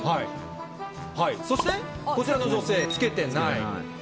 そして、こちらの女性、つけてない。